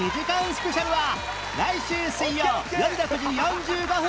スペシャルは来週水曜よる６時４５分！